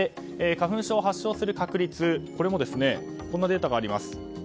花粉症を発症する確率こんなデータがあります。